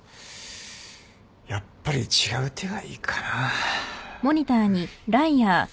やっぱり違う手がいいかな。